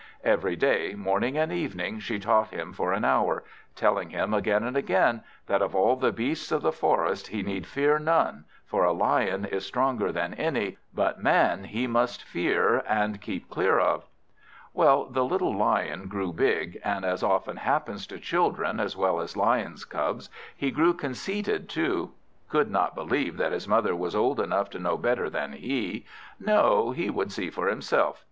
Every day, morning and evening, she taught him for an hour; telling him again and again, that of all the beasts of the forest he need fear none, for a lion is stronger than any, but man he must fear and keep clear of. Well, the little Lion grew big; and as often happens to children as well as lions' cubs, he grew conceited too. He could not believe that his mother was old enough to know better than he; no, he would see for himself.